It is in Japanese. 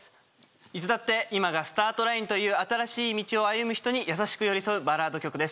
いつだって今がスタートラインという新しい道を歩む人に優しく寄り添うバラード曲です。